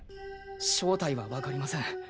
正体はわかりません。